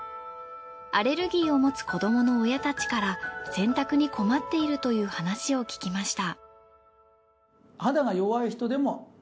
アレルギーを持つ子供の親たちから洗濯に困っているという話を聞きました。